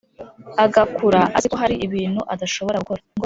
agakura aziko hari ibintu adashobora gukora